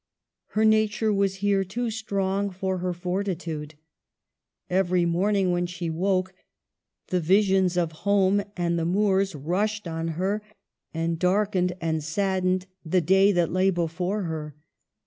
Her nature was here too strong for her fortitude. Every morning, when she woke, the visions of home and the moors rushed on her, and dark ened and saddened the day that lay before her.